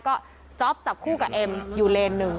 ก็จ๊อปจับคู่กับเอ็มอยู่เลนหนึ่ง